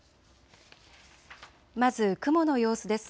まず雲の様子です。